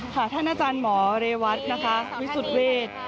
ท่านอาจารย์หมอเรวัตนะคะวิสุทธิ์เวท